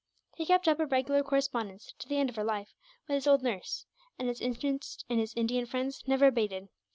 He kept up a regular correspondence, to the end of her life, with his old nurse; and his interest in his Indian friends never abated.